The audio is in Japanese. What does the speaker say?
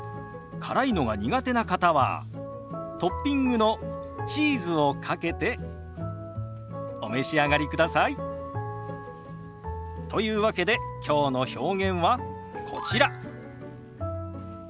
辛いのが苦手な方はトッピングのチーズをかけてお召し上がりください。というわけできょうの表現はこちら。